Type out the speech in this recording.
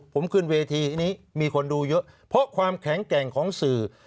ผมขึ้นเวทีอันนี้มีคนดูเยอะเพราะความแข็งแกร่งของสื่อ